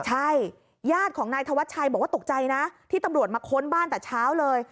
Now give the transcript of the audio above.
ใช่ญาติของนายธวัชชัยบอกว่าตกใจนะที่ตำรวจมาค้นบ้านแต่เช้าเลย